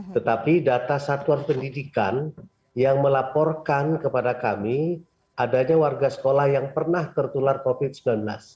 tetapi data satuan pendidikan yang melaporkan kepada kami adanya warga sekolah yang pernah tertular covid sembilan belas